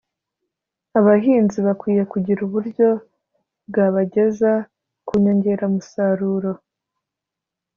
abahinzi bakwiye kugira uburyo bwabageza ku nyongeramusaruro.